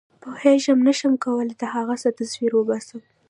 پوهېږم نه شم کولای د هغه څه تصویر وباسم.